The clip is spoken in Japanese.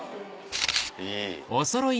いい。